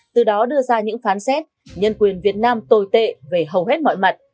từ đó đưa ra những phán xét nhân quyền việt nam tồi tệ về hầu hết mọi mặt